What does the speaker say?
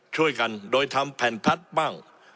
ช่วยกันโดยทำแผ่นพัดบ้าง